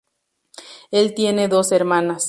El tiene dos hermanas.